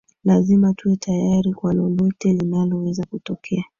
lazima tuwe tayari kwa lolote linaloweza kutokea